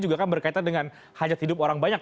juga kan berkaitan dengan hajat hidup orang banyak